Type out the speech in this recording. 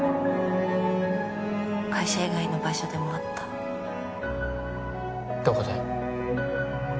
会社以外の場所でも会ったどこで？